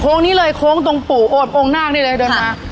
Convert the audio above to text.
โค้งนี่เลยโค้งตรงปูโอ่งหน้ากนี่เลยเดินมา